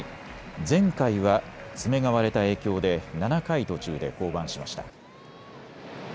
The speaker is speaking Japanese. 前回は爪が割れた影響で７回途中で降板しました。